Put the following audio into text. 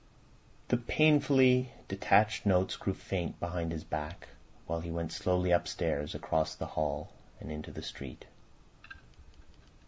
The painfully detached notes grew faint behind his back while he went slowly upstairs, across the hall, and into the street.